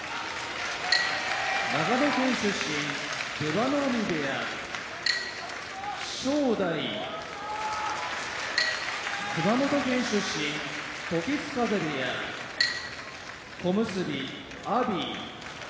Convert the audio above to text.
長野県出身出羽海部屋正代熊本県出身時津風部屋小結・阿炎